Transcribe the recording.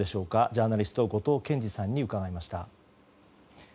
ジャーナリスト、後藤謙次さんに伺いました。